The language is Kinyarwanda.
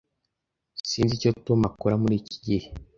S Sinzi icyo Tom akora muri iki gihe.